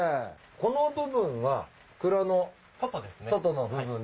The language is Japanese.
この部分は蔵の外の部分で。